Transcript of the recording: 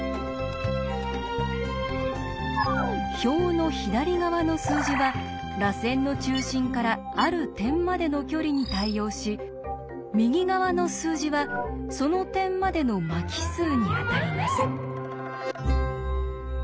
表の左側の数字は「らせんの中心からある点までの距離」に対応し右側の数字は「その点までの巻き数」にあたります。